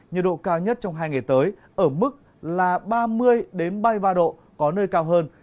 nhiệt độ cao nhất trong hai ngày tới ở mức là ba mươi ba mươi ba độ có nơi cao hơn